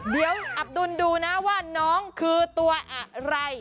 เดี๋ยวอับดุลดูนะว่าน้องคือตัวอะไร